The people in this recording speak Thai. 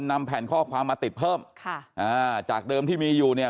นำแผ่นข้อความมาติดเพิ่มค่ะอ่าจากเดิมที่มีอยู่เนี่ย